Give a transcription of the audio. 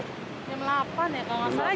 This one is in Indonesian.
jam delapan ya kalau nggak salah